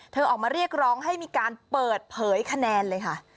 ออกมาเรียกร้องให้มีการเปิดเผยคะแนนเลยค่ะ